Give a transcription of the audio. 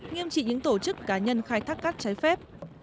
nghiêm trị những tổ chức cá nhân khai thác cát trái phép